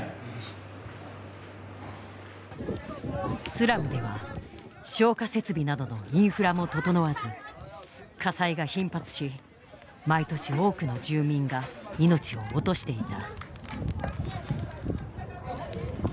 スラムでは消火設備などのインフラも整わず火災が頻発し毎年多くの住民が命を落としていた。